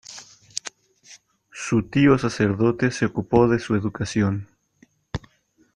Su tío sacerdote se ocupó de su educación.